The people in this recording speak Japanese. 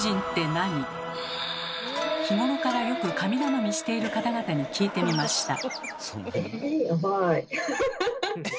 日頃からよく神頼みしている方々に聞いてみました。